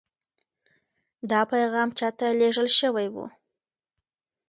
دا پیغام چا ته لېږل شوی و؟